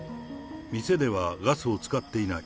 店ではガスを使っていない。